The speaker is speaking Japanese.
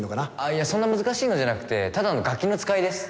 いやそんな難しいのじゃなくてただのガキの使いです。